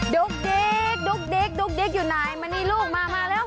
ดุ๊กดิ๊กดุ๊กดิ๊กดุ๊กดิ๊กอยู่ไหนมานี่ลูกมามาแล้ว